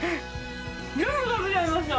全部食べちゃいました。